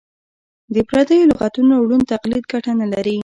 د پردیو لغتونو ړوند تقلید ګټه نه لري.